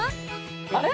あれ？